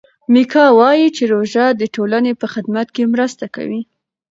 میکا وايي چې روژه د ټولنې په خدمت کې مرسته کوي.